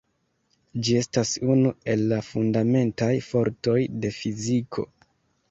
Ĝi estas unu el la fundamentaj fortoj de fiziko.